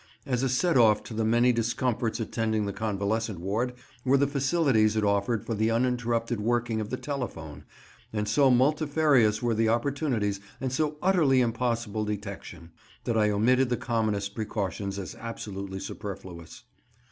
As a set off to the many discomforts attending the convalescent ward, were the facilities it offered for the uninterrupted working of the telephone, and so multifarious were the opportunities, and so utterly impossible detection, that I omitted the commonest precautions as absolutely superfluous.